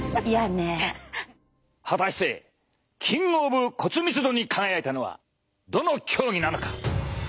果たしてキングオブ骨密度に輝いたのはどの競技なのか？